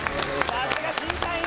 さすが審査員・